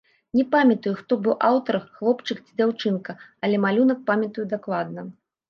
Не памятаю, хто быў аўтар, хлопчык ці дзяўчынка, але малюнак памятаю дакладна.